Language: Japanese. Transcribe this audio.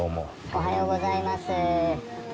おはようございます。